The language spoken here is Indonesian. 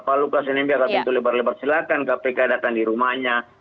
kalau luka sendiri membuka pintu lebar lebar silakan kpk datang di rumahnya